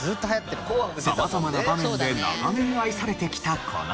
様々な場面で長年愛されてきたこの曲。